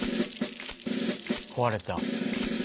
壊れた。